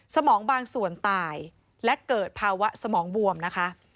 สมองบางส่วนตายและเกิดภาวะสมองบวมนะคะ